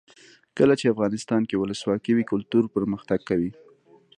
کله چې افغانستان کې ولسواکي وي کلتور پرمختګ کوي.